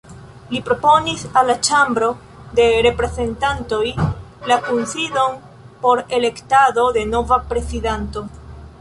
Li proponis al la Ĉambro de Reprezentantoj la kunsidon por elektado de nova prezidanto.